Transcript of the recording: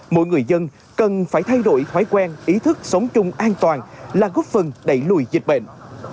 mỗi người dân cần phải thay đổi thói quen ý thức sống chung an toàn là góp phần đẩy lùi dịch bệnh